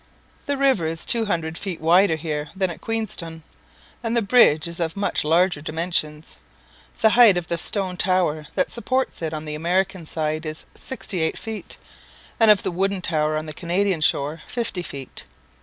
The river is two hundred feet wider here than at Queenstone, and the bridge is of much larger dimensions. The height of the stone tower that supports it on the American side is sixty eight feet, and of the wooden tower on the Canadian shore fifty feet.